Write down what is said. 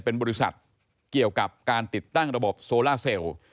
เป็นบริษัทเกี่ยวกับการติดตั้งระบบโซล่าเซลล์